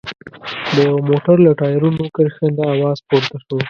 د يوه موټر له ټايرونو کرښنده اواز پورته شو.